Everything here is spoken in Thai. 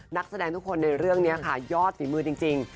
นักแสดงทุกคนในเรื่องนี้ค่ะยอดฝีมือจริง